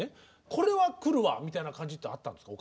これは来るわみたいな感じってあったんですか？